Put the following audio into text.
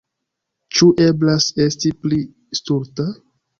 Ĉu eblas esti pli stulta?